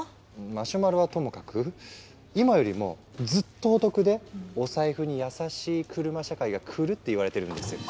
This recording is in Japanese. マシュマロはともかく今よりもずっとお得でお財布に優しい車社会が来るっていわれてるんですよ。